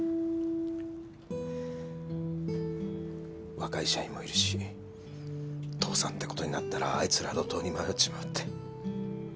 若い社員もいるし倒産ってことになったらあいつら路頭に迷っちまうって。